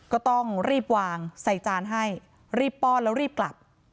ก็ต้องรีบวางใส่จานให้รีบป้อนแล้วรีบกลับ